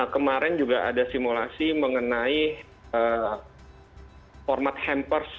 kemarin juga ada simulasi mengenai format hampers